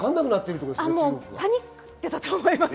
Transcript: パニクってたと思います。